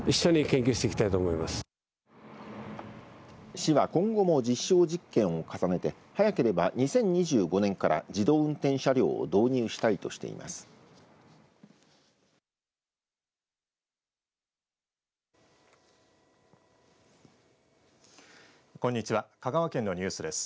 市は、今後も実証実験を重ねて早ければ２０２５年から自動運転車両を導入したいとしています。